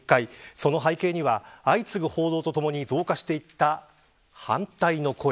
その背景には相次ぐ報道と共に増加していった反対の声。